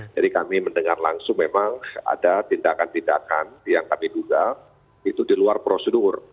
jadi kami mendengar langsung memang ada tindakan tindakan yang kami duga itu di luar prosedur